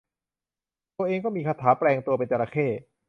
ตัวเองก็มีคาถาแปลงตัวเป็นจระเข้